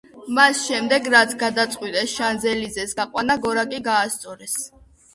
მას შემდეგ, რაც გადაწყვიტეს შანზ-ელიზეს გაყვანა, გორაკი გაასწორეს.